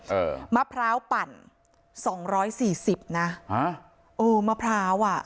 เออมะพร้าวปั่นสองร้อยสี่สิบนะอ่าเออมะพร้าวอ่ะ